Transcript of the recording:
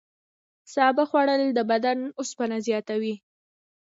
سابه خوړل د بدن اوسپنه زیاتوي.